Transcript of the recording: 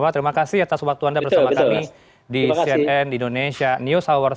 terima kasih atas waktu anda bersama kami di cnn indonesia news hour